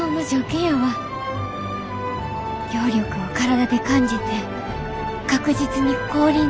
揚力を体で感じて確実に後輪で。